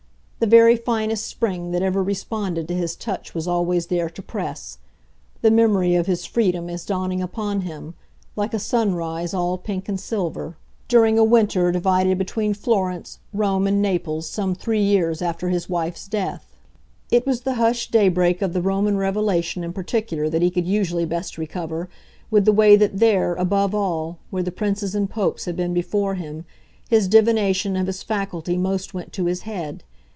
The very finest spring that ever responded to his touch was always there to press the memory of his freedom as dawning upon him, like a sunrise all pink and silver, during a winter divided between Florence, Rome and Naples some three years after his wife's death. It was the hushed daybreak of the Roman revelation in particular that he could usually best recover, with the way that there, above all, where the princes and Popes had been before him, his divination of his faculty most went to his head.